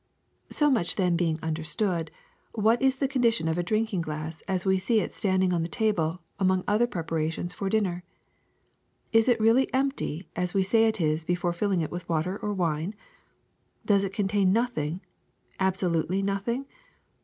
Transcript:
'^ So much then being understood, what is the con dition of a drinking glass as we see it standing on the table among other preparations for dinner? Is it really empty as we say it is before filling it with water or wine? Does it contain nothing, absolutely nothing?